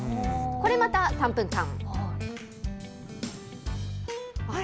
これまた３分間。